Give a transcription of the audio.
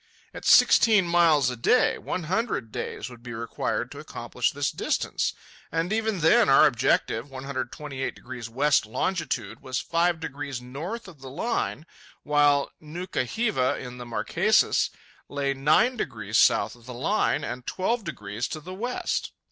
At sixteen miles a day, one hundred days would be required to accomplish this distance. And even then, our objective, 128° west longitude, was five degrees north of the Line, while Nuka hiva, in the Marquesas, lay nine degrees south of the Line and twelve degrees to the west!